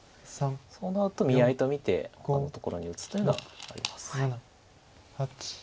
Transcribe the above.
そうなると見合いと見てほかのところに打つというのはあります。